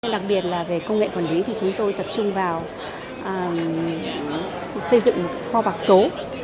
đặc biệt là về công nghệ quản lý thì chúng tôi tập trung vào xây dựng kho bạc số